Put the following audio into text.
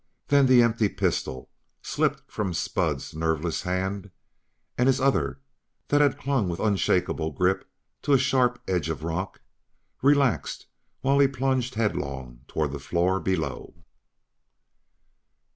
Then the empty pistol slipped from Spud's nerveless hand; and his other, that had clung with unshakable grip to a sharp edge of rock, relaxed, while he plunged headlong toward the floor below.